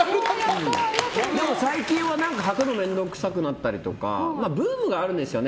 最近ははくのが面倒くさくなったりとかブームがあるんですよね